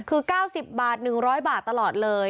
คือ๙๐บาท๑๐๐บาทตลอดเลย